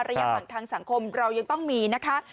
ห่างทางสังคมเรายังต้องมีนะคะ